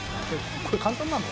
これ簡単なの？